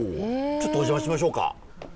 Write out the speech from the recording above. ちょっとお邪魔しましょうか。